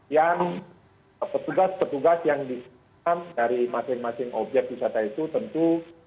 yang petugas petugas yang diperlukan dari masing masing objek wisata itu tentu